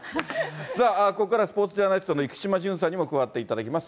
さあ、ここからはスポーツジャーナリストの生島淳さんにも加わっていただきます。